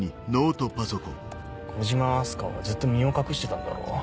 小島明日香はずっと身を隠してたんだろ？